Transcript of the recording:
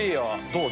どう？